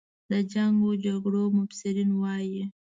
د جنګ و جګړو مبصرین وایي.